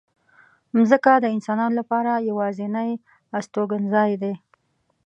مځکه د انسانانو لپاره یوازینۍ استوګنځای دی.